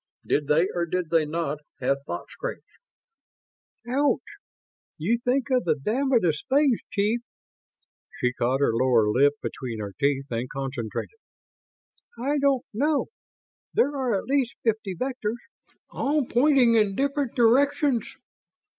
Did they or did they not have thought screens?" "Ouch! You think of the damnedest things, chief." She caught her lower lip between her teeth and concentrated. "... I don't know. There are at least fifty vectors, all pointing in different directions."